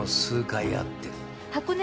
箱根